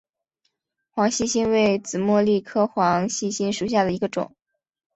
黄细心为紫茉莉科黄细心属下的一个种。